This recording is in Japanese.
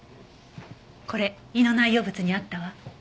これ胃の内容物にあったわ。